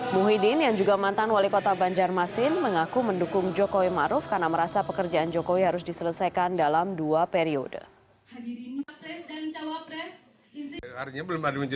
muhyiddin yang juga mantan wali kota banjarmasin mengaku mendukung jokowi maruf karena merasa pekerjaan jokowi harus diselesaikan dalam dua periode